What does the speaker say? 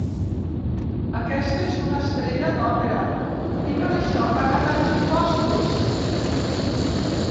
Aquesta és una estrella d'òpera, i per això paga tants impostos.